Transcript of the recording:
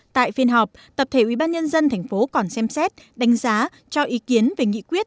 tại phiên họp tập thể ubnd tp còn xem xét đánh giá cho ý kiến về nghị quyết